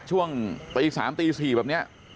ช่วงตี๓๔แบบเนี้ย